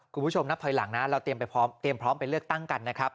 คุณผู้ชมนับถอยหลังนะเราเตรียมพร้อมไปเลือกตั้งกันนะครับ